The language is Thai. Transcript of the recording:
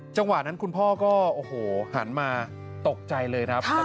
จังหวะนั้นคุณพ่อก็โอ้โหหันมาตกใจเลยครับ